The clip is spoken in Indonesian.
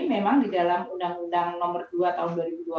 memang di dalam undang undang nomor dua tahun dua ribu dua puluh